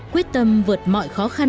quyết tâm vượt mọi khó khăn